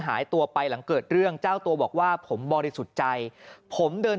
หายตัวไปหลังเกิดเรื่องเจ้าตัวบอกว่าผมบริสุทธิ์ใจผมเดิน